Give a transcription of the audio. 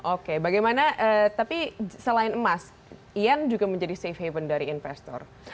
oke bagaimana tapi selain emas ian juga menjadi safe haven dari investor